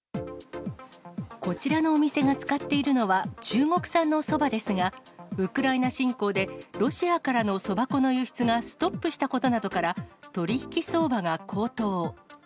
こちらのお店が使っているのは中国産のそばですが、ウクライナ侵攻でロシアからのそば粉の輸出がストップしたことなどから、取り引き相場が高騰。